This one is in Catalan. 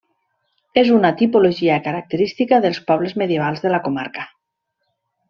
És una tipologia característica dels pobles medievals de la comarca.